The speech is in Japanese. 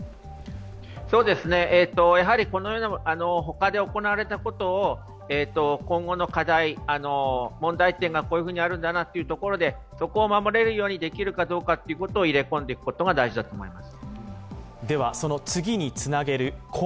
やはり他で行われたことを今後の課題、問題点がこういうふうにあるんだなといことで、そこを守ることができるかどうかってことを入れ込んでいくことが大事だと思います。